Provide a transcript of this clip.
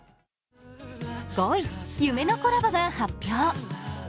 ５位、夢のコラボが発表。